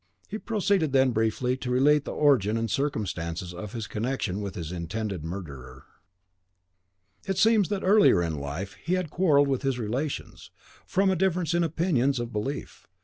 He proceeded then briefly to relate the origin and circumstances of his connection with his intended murderer. It seems that in earlier life he had quarrelled with his relations, from a difference in opinions of belief.